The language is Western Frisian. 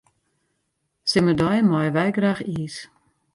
Simmerdei meie wy graach iis.